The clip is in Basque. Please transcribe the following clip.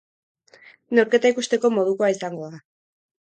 Neurketa ikusteko modukoa izango da.